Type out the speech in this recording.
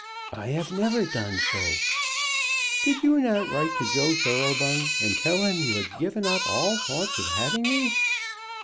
"I have never done so." "Did you not write to Joe Thoroughbung, and tell him you had given up all thoughts of having me?"